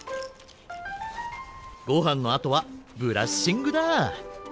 ごはんのあとはブラッシングだ。